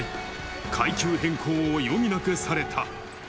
階級変更を余儀なくされた。